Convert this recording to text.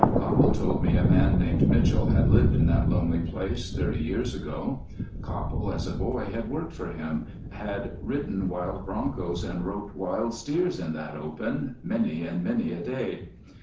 Copple told me a man named Mitchell had lived in that lonely place thirty years ago. Copple, as a boy, had worked for him had ridden wild bronchos and roped wild steers in that open, many and many a day.